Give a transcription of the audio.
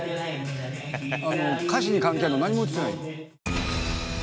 歌詞に関係あるものなんにも映ってない。